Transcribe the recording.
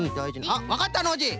あっわかったノージー。